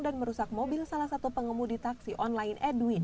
dan merusak mobil salah satu pengemudi taksi online edwin